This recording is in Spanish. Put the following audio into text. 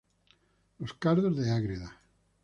Los cardos de Ágreda.